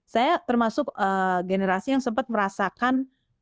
saya termasuk generasi yang sempat merasakan